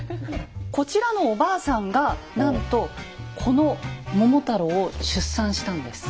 こちらのおばあさんがなんとこの桃太郎を出産したんです。